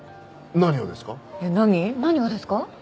何をですか？